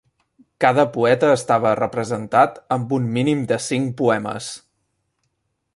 Cada poeta estava representat amb un mínim de cinc poemes.